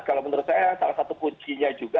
kalau menurut saya salah satu kuncinya juga